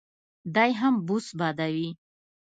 دی هم بوس بادوي.